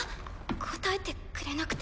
応えてくれなくて。